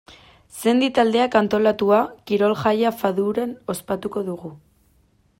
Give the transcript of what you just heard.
Sendi taldeak antolatua, kirol-jaia Faduran ospatuko dugu.